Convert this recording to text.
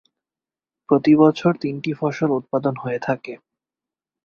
প্রতি বছর তিনটি ফসল উৎপাদন হয়ে থাকে।